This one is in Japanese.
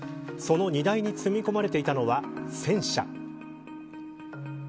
その荷台に積み込まれていたのは戦車。